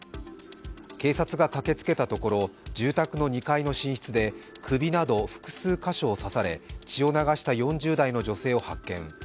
警察が駆けつけたところ、住宅の２階の寝室で首など複数箇所を刺され血を流した４０代の女性を発見。